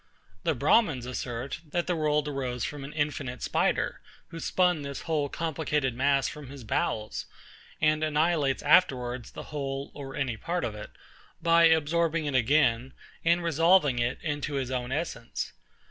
The BRAHMINS assert, that the world arose from an infinite spider, who spun this whole complicated mass from his bowels, and annihilates afterwards the whole or any part of it, by absorbing it again, and resolving it into his own essence.